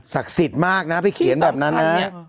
สิทธิ์มากนะไปเขียนแบบนั้นนะ